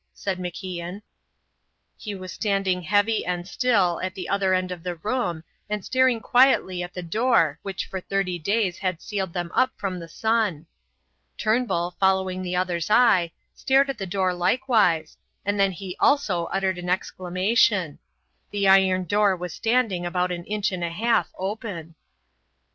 said MacIan. He was standing heavy and still at the other end of the room and staring quietly at the door which for thirty days had sealed them up from the sun. Turnbull, following the other's eye, stared at the door likewise, and then he also uttered an exclamation. The iron door was standing about an inch and a half open.